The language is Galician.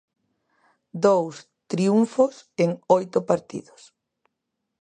Dous triunfos en oito partidos.